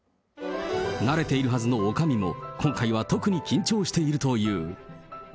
慣れているはずのおかみも、今回は特に緊張しているという。